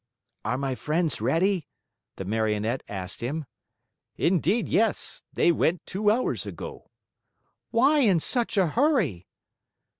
"Are my friends ready?" the Marionette asked him. "Indeed, yes! They went two hours ago." "Why in such a hurry?"